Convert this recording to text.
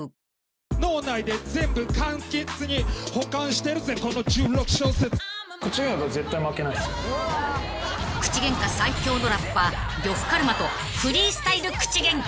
「脳内で全部簡潔に保管してるぜこの１６小節」［口ゲンカ最強のラッパー呂布カルマとフリースタイル口ゲンカ］